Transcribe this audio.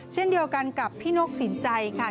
เช่นเดียวกันกับพี่นกสินใจค่ะ